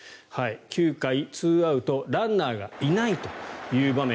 ９回２アウトランナーがいないという場面